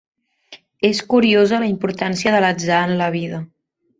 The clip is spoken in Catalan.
És curiosa la importància de l'atzar en la vida.